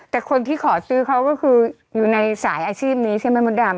แต่คนที่ขอซื้อเขาก็คืออยู่ในสายอาชีพนี้ใช่ไหมมดดำ